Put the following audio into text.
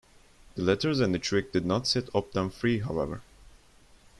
The letters and the trick did not set Opdam free, however.